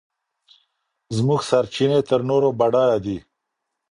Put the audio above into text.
زموږ سرچينې تر نورو بډايه دي.